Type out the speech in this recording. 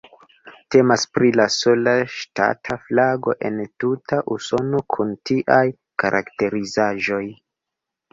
Temas pri la sola ŝtata flago en tuta Usono kun tiaj karakterizaĵoj.